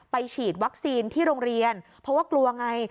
ฉีดวัคซีนที่โรงเรียนเพราะว่ากลัวไง